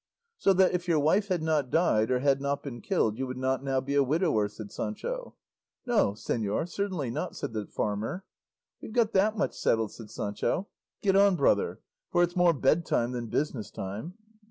"So that if your wife had not died, or had not been killed, you would not now be a widower," said Sancho. "No, señor, certainly not," said the farmer. "We've got that much settled," said Sancho; "get on, brother, for it's more bed time than business time."